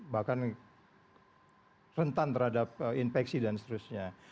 bahkan rentan terhadap infeksi dan seterusnya